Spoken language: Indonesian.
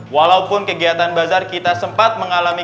walaupun kegiatan bazar kita sempat mengalami